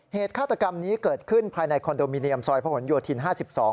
ฆาตกรรมนี้เกิดขึ้นภายในคอนโดมิเนียมซอยพระหลโยธิน๕๒